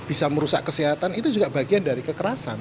bisa merusak kesehatan itu juga bagian dari kekerasan